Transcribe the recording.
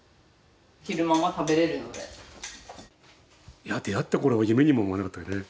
いや出会ったころは夢にも思わなかったよね。